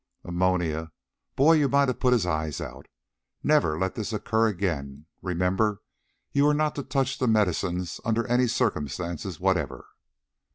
"Ammonia! Boy, you might have put his eyes out! Never let this occur again. Remember, you are not to touch the medicines under any circumstances whatever!"